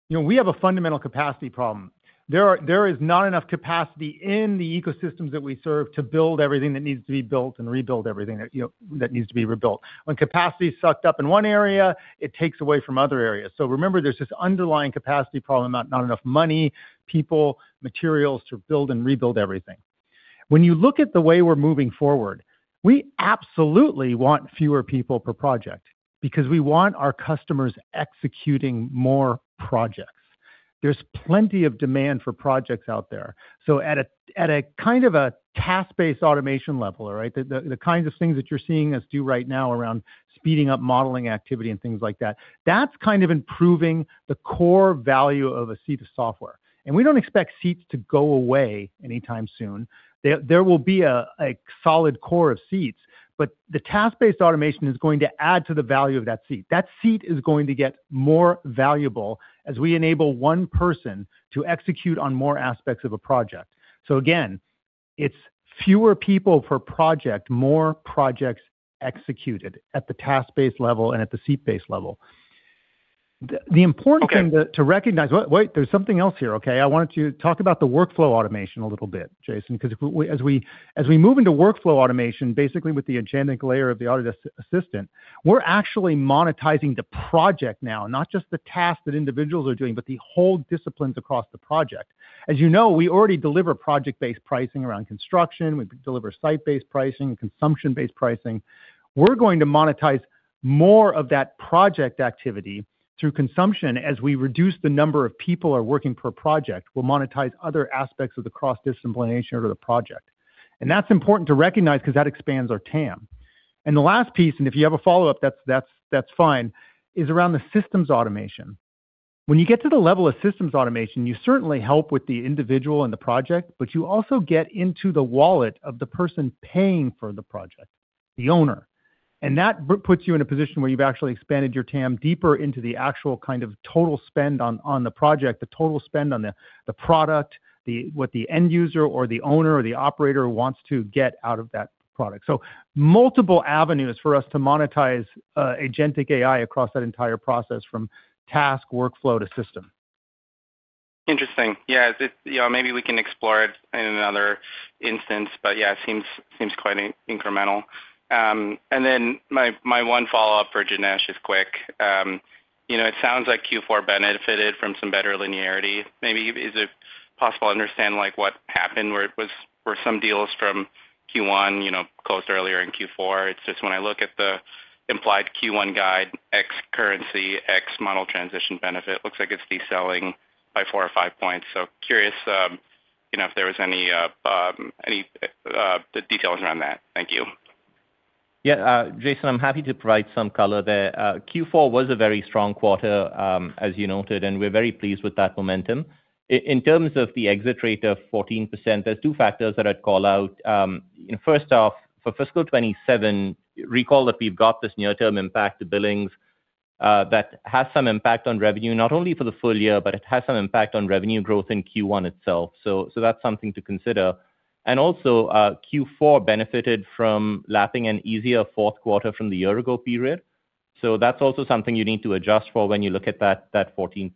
you know, we have a fundamental capacity problem. There is not enough capacity in the ecosystems that we serve to build everything that needs to be built and rebuild everything that, you know, that needs to be rebuilt. When capacity is sucked up in one area, it takes away from other areas. Remember, there's this underlying capacity problem, not enough money, people, materials to build and rebuild everything. When you look at the way we're moving forward, we absolutely want fewer people per project because we want our customers executing more projects. There's plenty of demand for projects out there. At a kind of a task-based automation level, all right? The kinds of things that you're seeing us do right now around speeding up modeling activity and things like that's kind of improving the core value of a seat of software. We don't expect seats to go away anytime soon. There will be a solid core of seats, but the task-based automation is going to add to the value of that seat. That seat is going to get more valuable as we enable one person to execute on more aspects of a project. Again, it's fewer people per project, more projects executed at the task-based level and at the seat-based level. The important thing Okay. To recognize. Wait, there's something else here, okay? I wanted to talk about the workflow automation a little bit, Jason, because as we move into workflow automation, basically with the enchanting layer of the Autodesk Assistant, we're actually monetizing the project now, not just the tasks that individuals are doing, but the whole disciplines across the project. As you know, we already deliver project-based pricing around construction. We deliver site-based pricing, consumption-based pricing. We're going to monetize more of that project activity through consumption. As we reduce the number of people are working per project, we'll monetize other aspects of the cross-pollination of the project. That's important to recognize because that expands our TAM. The last piece, if you have a follow-up, that's fine, is around the systems automation. When you get to the level of systems automation, you certainly help with the individual and the project, but you also get into the wallet of the person paying for the project, the owner. That puts you in a position where you've actually expanded your TAM deeper into the actual kind of total spend on the project, the total spend on the product, what the end user or the owner or the operator wants to get out of that product. Multiple avenues for us to monetize agentic AI across that entire process, from task, workflow to system. Interesting. Yeah, it, you know, maybe we can explore it in another instance, but yeah, it seems quite incremental. My one follow-up for Janesh is quick. You know, it sounds like Q4 benefited from some better linearity. Maybe is it possible to understand, like, what happened, where were some deals from Q1, you know, closed earlier in Q4? It's just when I look at the implied Q1 guide ex currency, ex model transition benefit, looks like it's deceling by four or five points. Curious. You know, if there was any details around that. Thank you. Yeah, Jason, I'm happy to provide some color there. Q4 was a very strong quarter, as you noted, and we're very pleased with that momentum. In terms of the exit rate of 14%, there's two factors that I'd call out. First off, for fiscal 2027, recall that we've got this near-term impact to billings that has some impact on revenue, not only for the full year, but it has some impact on revenue growth in Q1 itself. That's something to consider. Also, Q4 benefited from lapping an easier fourth quarter from the year ago period. That's also something you need to adjust for when you look at that 14%.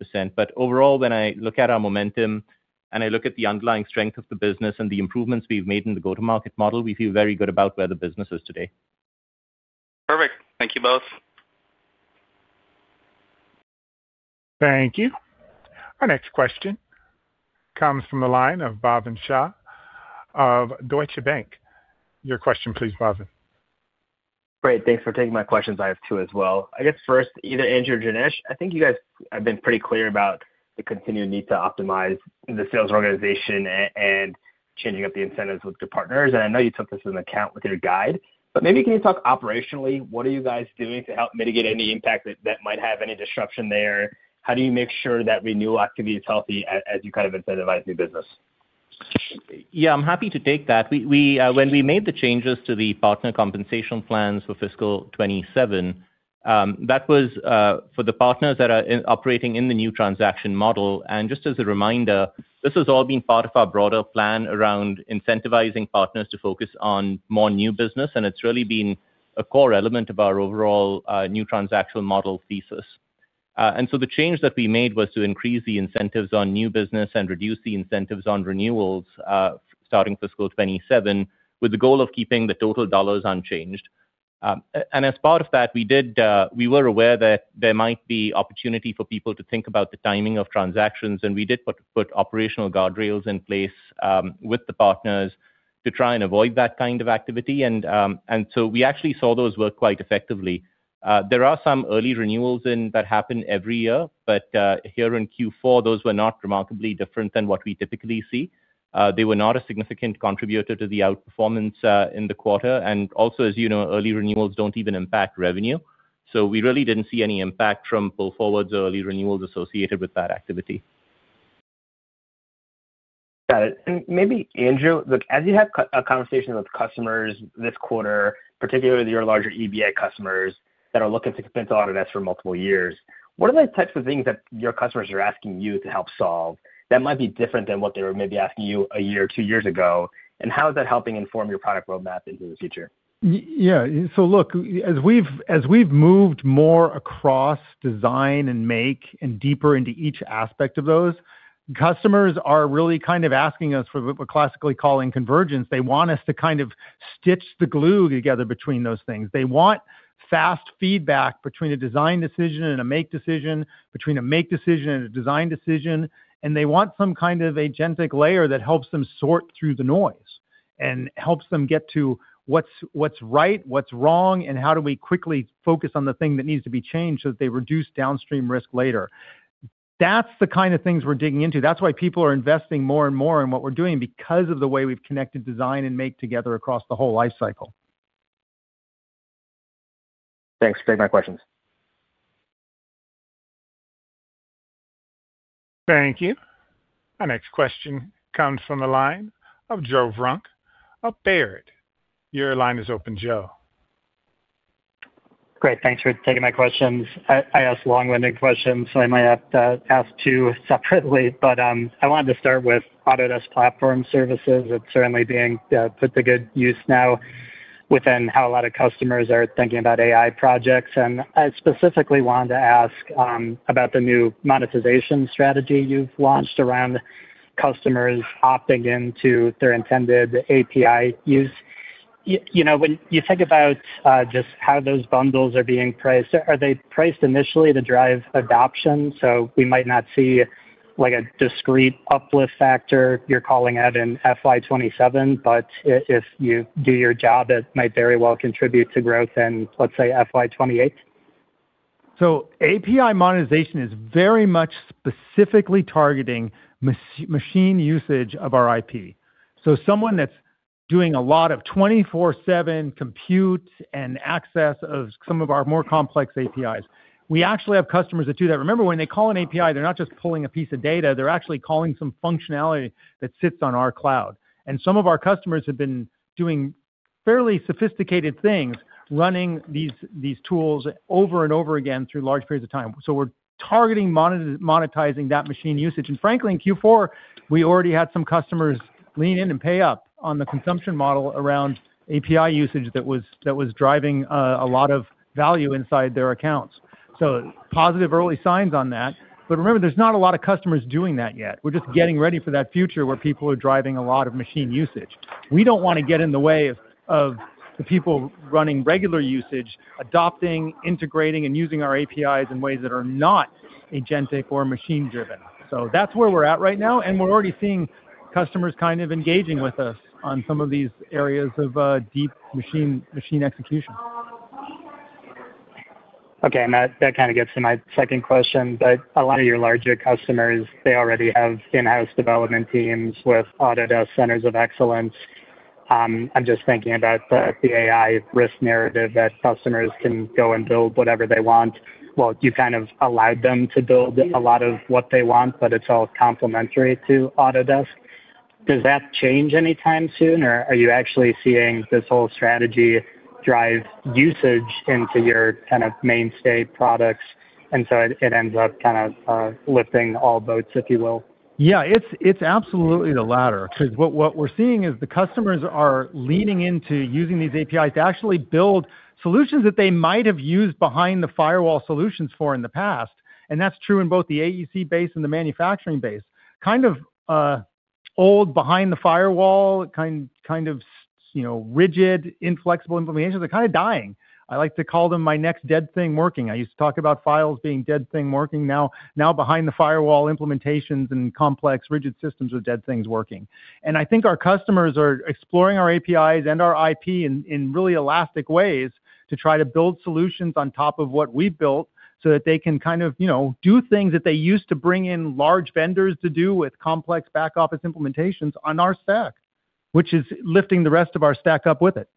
Overall, when I look at our momentum and I look at the underlying strength of the business and the improvements we've made in the go-to-market model, we feel very good about where the business is today. Perfect. Thank you both. Thank you. Our next question comes from the line of Bhavin Shah of Deutsche Bank. Your question please, Bhavin. Great. Thanks for taking my questions. I have two as well. I guess first, either Andrew or Janesh, I think you guys have been pretty clear about the continued need to optimize the sales organization and changing up the incentives with your partners. I know you took this into account with your guide, but maybe can you talk operationally, what are you guys doing to help mitigate any impact that might have any disruption there? How do you make sure that renewal activity is healthy as you kind of incentivize new business? Yeah, I'm happy to take that. We, when we made the changes to the partner compensation plans for fiscal 2027, that was for the partners that are operating in the new transaction model. Just as a reminder, this has all been part of our broader plan around incentivizing partners to focus on more new business, and it's really been a core element of our overall new transactional model thesis. The change that we made was to increase the incentives on new business and reduce the incentives on renewals, starting fiscal 2027 with the goal of keeping the total $ unchanged. As part of that, we did, we were aware that there might be opportunity for people to think about the timing of transactions, we did put operational guardrails in place with the partners to try and avoid that kind of activity. So we actually saw those work quite effectively. There are some early renewals in that happen every year, but here in Q4, those were not remarkably different than what we typically see. They were not a significant contributor to the outperformance in the quarter. Also, as you know, early renewals don't even impact revenue. We really didn't see any impact from pull forwards or early renewals associated with that activity. Got it. Maybe Andrew, look, as you have a conversation with customers this quarter, particularly your larger EBA customers that are looking to commit to Autodesk for multiple years, what are the types of things that your customers are asking you to help solve that might be different than what they were maybe asking you a year or two years ago? How is that helping inform your product roadmap into the future? Yeah. Look, as we've moved more across design and make and deeper into each aspect of those, customers are really kind of asking us for what we're classically calling convergence. They want us to kind of stitch the glue together between those things. They want fast feedback between a design decision and a make decision, between a make decision and a design decision, and they want some kind of agentic layer that helps them sort through the noise and helps them get to what's right, what's wrong, and how do we quickly focus on the thing that needs to be changed so that they reduce downstream risk later. That's the kind of things we're digging into. That's why people are investing more and more in what we're doing because of the way we've connected design and make together across the whole life cycle. Thanks. Take my questions. Thank you. Our next question comes from the line of Joe Vruwink of Baird. Your line is open, Joe. Great. Thanks for taking my questions. I ask long-winded questions, so I might have to ask two separately. I wanted to start with Autodesk Platform Services. It's certainly being put to good use now within how a lot of customers are thinking about AI projects. I specifically wanted to ask about the new monetization strategy you've launched around customers opting into their intended API use. You know, when you think about just how those bundles are being priced, are they priced initially to drive adoption? We might not see like a discrete uplift factor you're calling out in FY 2027, but if you do your job, it might very well contribute to growth in, let's say, FY 2028. API monetization is very much specifically targeting machine usage of our IP. Someone that's doing a lot of 24/7 compute and access of some of our more complex APIs. We actually have customers that do that. Remember, when they call an API, they're not just pulling a piece of data, they're actually calling some functionality that sits on our cloud. Some of our customers have been doing fairly sophisticated things, running these tools over and over again through large periods of time. We're targeting monetizing that machine usage. Frankly, in Q4, we already had some customers lean in and pay up on the consumption model around API usage that was driving a lot of value inside their accounts. Positive early signs on that. Remember, there's not a lot of customers doing that yet. We're just getting ready for that future where people are driving a lot of machine usage. We don't want to get in the way of the people running regular usage, adopting, integrating, and using our APIs in ways that are not agentic or machine driven. That's where we're at right now, and we're already seeing customers kind of engaging with us on some of these areas of deep machine execution. Okay, that kind of gets to my second question. A lot of your larger customers, they already have in-house development teams with Autodesk Centers of Excellence. I'm just thinking about the AI risk narrative, that customers can go and build whatever they want. You kind of allowed them to build a lot of what they want, but it's all complementary to Autodesk. Does that change anytime soon, or are you actually seeing this whole strategy drive usage into your kind of mainstay products, it ends up kind of lifting all boats, if you will? Yeah, it's absolutely the latter. What we're seeing is the customers are leaning into using these APIs to actually build solutions that they might have used behind the firewall solutions for in the past. That's true in both the AEC base and the manufacturing base. Kind of old behind the firewall, kind of, you know, rigid, inflexible implementations are kind of dying. I like to call them my next dead thing working. I used to talk about files being dead thing working, now behind the firewall, implementations and complex rigid systems are dead things working. I think our customers are exploring our APIs and our IP in really elastic ways to try to build solutions on top of what we've built, so that they can kind of, you know, do things that they used to bring in large vendors to do with complex back-office implementations on our stack. Which is lifting the rest of our stack up with it.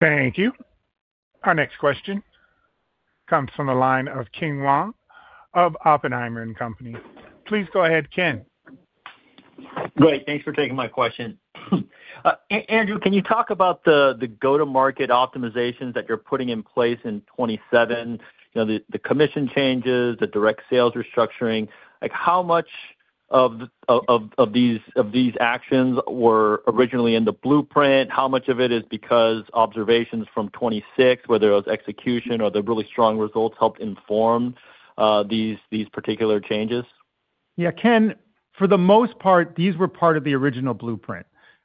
Thank you. Our next question comes from the line of Ken Wong of Oppenheimer and Company. Please go ahead, Ken. Great. Thanks for taking my question. Andrew, can you talk about the go-to-market optimizations that you're putting in place in 2027? You know, the commission changes, the direct sales restructuring. Like, how much of these actions were originally in the blueprint? How much of it is because observations from 2026, whether it was execution or the really strong results helped inform these particular changes? Yeah, Ken, for the most part, these were part of the original blueprint.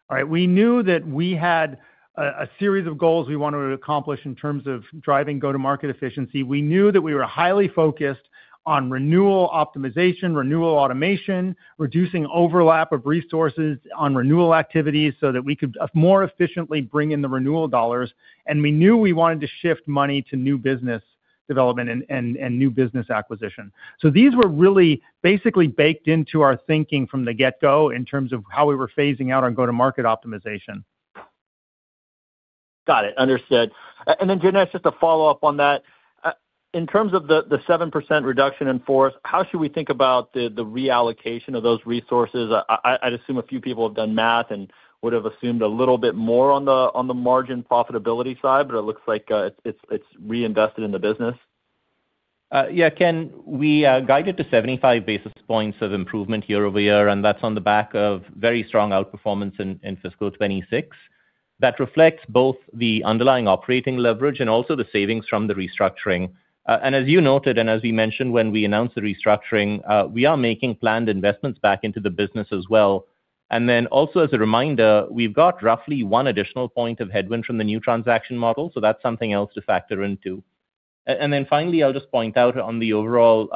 All right? We knew that we had a series of goals we wanted to accomplish in terms of driving go-to-market efficiency. We knew that we were highly focused on renewal optimization, renewal automation, reducing overlap of resources on renewal activities, so that we could more efficiently bring in the renewal dollars. We knew we wanted to shift money to new business development and new business acquisition. These were really basically baked into our thinking from the get-go in terms of how we were phasing out our go-to-market optimization. Got it. Understood. Janesh, just to follow up on that. In terms of the 7% reduction in force, how should we think about the reallocation of those resources? I'd assume a few people have done math and would have assumed a little bit more on the margin profitability side, but it looks like it's reinvested in the business. Yeah, Ken, we guided to 75 basis points of improvement year-over-year, that's on the back of very strong outperformance in fiscal 2026. That reflects both the underlying operating leverage and also the savings from the restructuring. As you noted, and as we mentioned when we announced the restructuring, we are making planned investments back into the business as well. Also as a reminder, we've got roughly 1 additional point of headwind from the new transaction model, that's something else to factor in, too. Finally, I'll just point out on the overall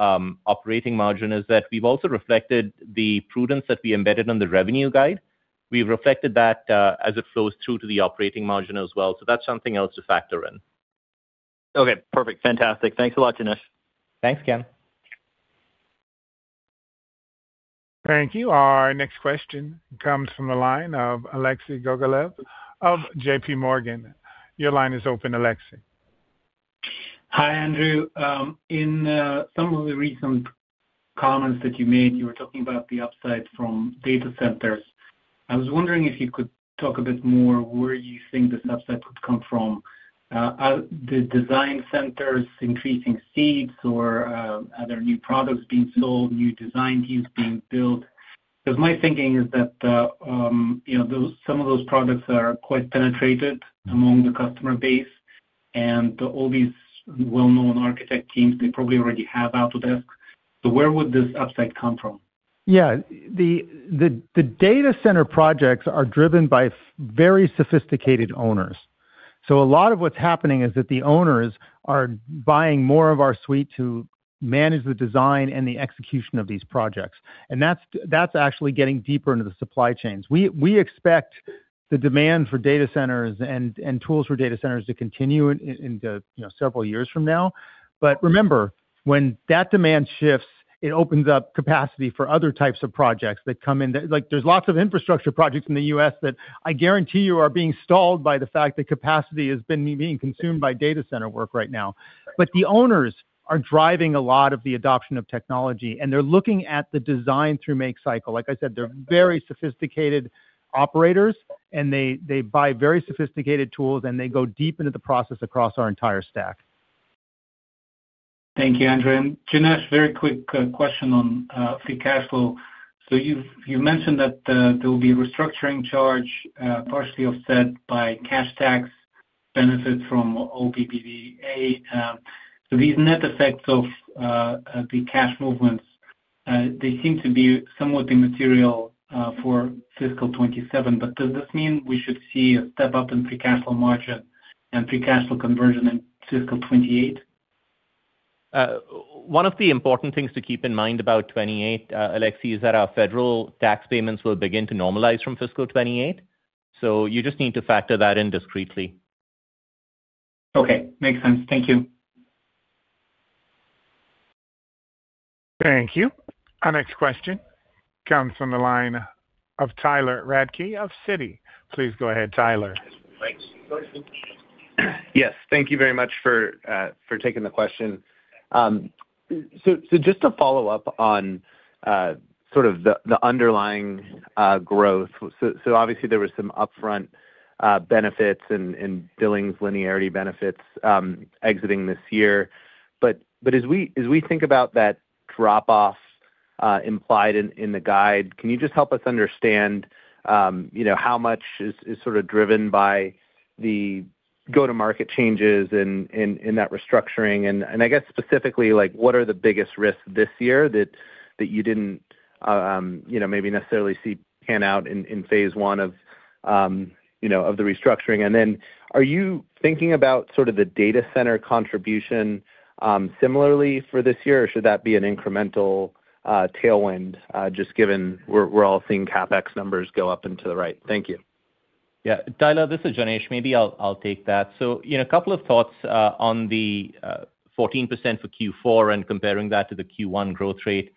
operating margin, is that we've also reflected the prudence that we embedded on the revenue guide. We've reflected that as it flows through to the operating margin as well. That's something else to factor in. Okay, perfect. Fantastic. Thanks a lot, Jinesh. Thanks, Ken. Thank you. Our next question comes from the line of Alexei Gogolev of JPMorgan. Your line is open, Alexei. Hi, Andrew. In some of the recent comments that you made, you were talking about the upside from data centers. I was wondering if you could talk a bit more, where you think this upside could come from? Are the design centers increasing speeds or are there new products being sold, new design teams being built? My thinking is that, you know, those, some of those products are quite penetrated among the customer base, and all these well-known architect teams, they probably already have Autodesk. Where would this upside come from? Yeah. The data center projects are driven by very sophisticated owners. A lot of what's happening is that the owners are buying more of our suite to manage the design and the execution of these projects, and that's actually getting deeper into the supply chains. We expect the demand for data centers and tools for data centers to continue in the, you know, several years from now. Remember, when that demand shifts, it opens up capacity for other types of projects that come in. There's lots of infrastructure projects in the U.S. that I guarantee you are being stalled by the fact that capacity has been being consumed by data center work right now. The owners are driving a lot of the adoption of technology, and they're looking at the design through make cycle. Like I said, they're very sophisticated operators, and they buy very sophisticated tools, and they go deep into the process across our entire stack. Thank you, Andrew. Janesh, very quick question on free cash flow. You've mentioned that there will be restructuring charge partially offset by cash tax benefits from OBBBA. These net effects of the cash movements, they seem to be somewhat immaterial for fiscal 2027, but does this mean we should see a step up in free cash flow margin and free cash flow conversion in fiscal 28? One of the important things to keep in mind about 28, Alexei, is that our federal tax payments will begin to normalize from fiscal 28. You just need to factor that in discreetly. Okay. Makes sense. Thank you. Thank you. Our next question comes from the line of Tyler Radke of Citi. Please go ahead, Tyler. Yes. Thank you very much for taking the question. Just to follow up on sort of the underlying growth. Obviously there was some upfront benefits and billings linearity benefits exiting this year. As we think about that drop-off implied in the guide, can you just help us understand, you know, how much is sort of driven by the go-to-market changes in that restructuring? I guess specifically, like what are the biggest risks this year that you didn't, you know, maybe necessarily see pan out in phase one of, you know, of the restructuring? Then are you thinking about sort of the data center contribution similarly for this year? Should that be an incremental tailwind, just given we're all seeing CapEx numbers go up into the right? Thank you. Tyler, this is Janesh. Maybe I'll take that. You know, a couple of thoughts on the 14% for Q4 and comparing that to the Q1 growth rate.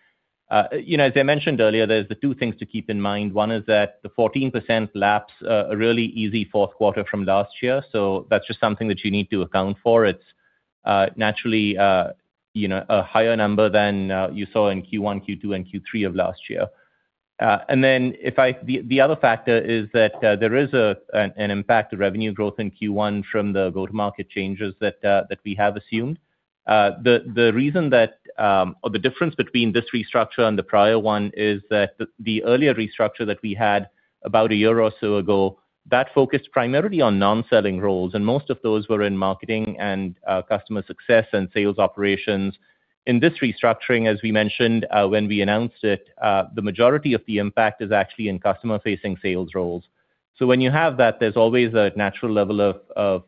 You know, as I mentioned earlier, there's the two things to keep in mind. One is that the 14% laps a really easy fourth quarter from last year, so that's just something that you need to account for. It's naturally, you know, a higher number than you saw in Q1, Q2, and Q3 of last year. The other factor is that there is an impact to revenue growth in Q1 from the go-to-market changes that we have assumed. The reason that, or the difference between this restructure and the prior one is that the earlier restructure that we had about a year or so ago, that focused primarily on non-selling roles, and most of those were in marketing and customer success and sales operations. In this restructuring, as we mentioned, when we announced it, the majority of the impact is actually in customer-facing sales roles. When you have that, there's always a natural level of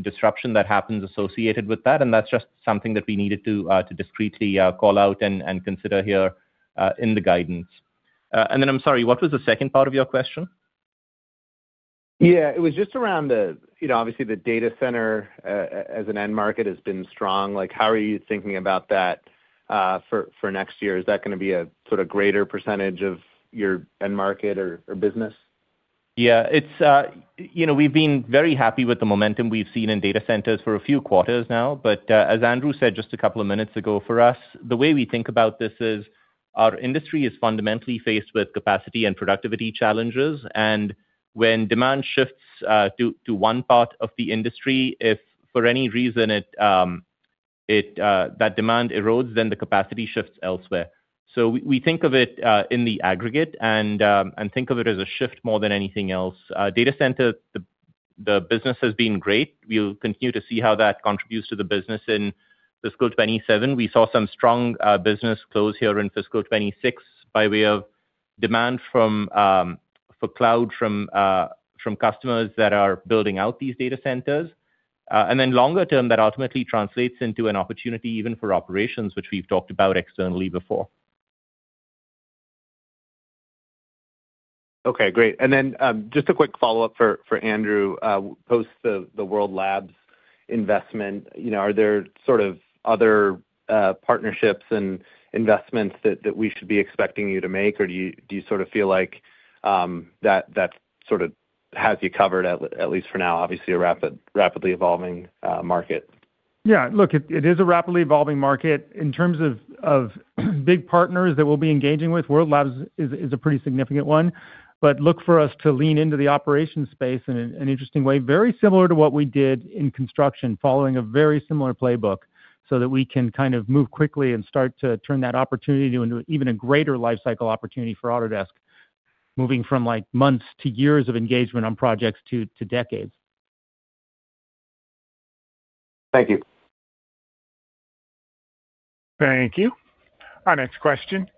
disruption that happens associated with that, and that's just something that we needed to discreetly, call out and consider here, in the guidance. Then I'm sorry, what was the second part of your question? Yeah. It was just around the, you know, obviously the data center, as an end market has been strong. Like, how are you thinking about that, for next year? Is that gonna be a sort of greater percentage of your end market or business? Yeah. It's, you know, we've been very happy with the momentum we've seen in data centers for a few quarters now. As Andrew said just a couple of minutes ago, for us, the way we think about this is our industry is fundamentally faced with capacity and productivity challenges. When demand shifts to one part of the industry, if for any reason it, that demand erodes, then the capacity shifts elsewhere. We think of it in the aggregate and think of it as a shift more than anything else. Data center, the business has been great. We'll continue to see how that contributes to the business in fiscal 2027. We saw some strong business close here in fiscal 2026 by way of demand from for cloud from from customers that are building out these data centers. Longer term, that ultimately translates into an opportunity even for operations, which we've talked about externally before. Okay. Great. Just a quick follow-up for Andrew. Post the World Labs investment, you know, are there sort of other partnerships and investments that we should be expecting you to make, or do you sort of feel like that that sort of has you covered at least for now? Obviously a rapid, rapidly evolving market. Yeah. Look, it is a rapidly evolving market. In terms of big partners that we'll be engaging with, World Labs is a pretty significant one. Look for us to lean into the operations space in an interesting way, very similar to what we did in construction following a very similar playbook, so that we can kind of move quickly and start to turn that opportunity into even a greater lifecycle opportunity for Autodesk, moving from, like, months to years of engagement on projects to decades. Thank you. Thank you. Our next question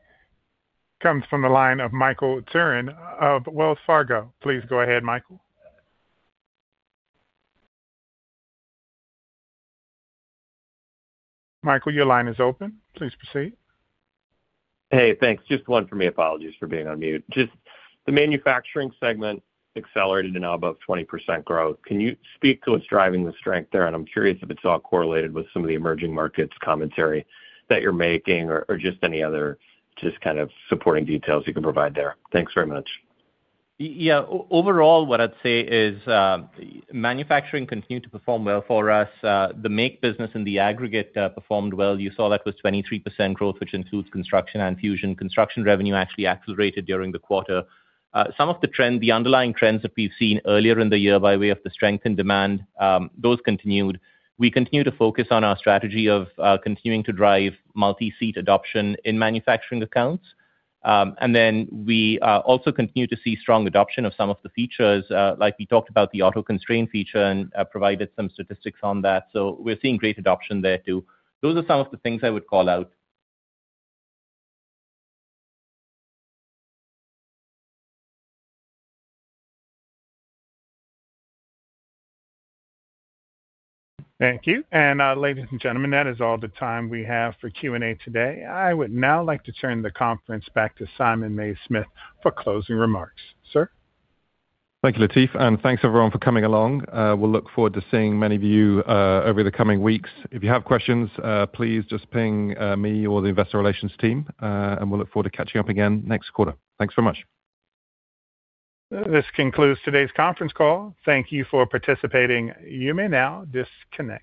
comes from the line of Michael Turrin of Wells Fargo. Please go ahead, Michael. Michael, your line is open. Please proceed. Hey, thanks. Just one for me. Apologies for being on mute. Just the manufacturing segment accelerated to now above 20% growth. Can you speak to what's driving the strength there? I'm curious if it's all correlated with some of the emerging markets commentary that you're making or just any other just kind of supporting details you can provide there. Thanks very much. Yeah. Overall, what I'd say is, manufacturing continued to perform well for us. The Make business in the aggregate performed well. You saw that with 23% growth, which includes Construction and Fusion. Construction revenue actually accelerated during the quarter. Some of the underlying trends that we've seen earlier in the year by way of the strength and demand, those continued. We continue to focus on our strategy of continuing to drive multi-seat adoption in manufacturing accounts. Then we also continue to see strong adoption of some of the features, like we talked about the AutoConstrain feature and provided some statistics on that. We're seeing great adoption there too. Those are some of the things I would call out. Thank you. Ladies and gentlemen, that is all the time we have for Q&A today. I would now like to turn the conference back to Simon Mays-Smith for closing remarks. Sir. Thank you, Latif, and thanks everyone for coming along. We'll look forward to seeing many of you, over the coming weeks. If you have questions, please just ping, me or the Investor Relations team, and we'll look forward to catching up again next quarter. Thanks so much. This concludes today's conference call. Thank you for participating. You may now disconnect.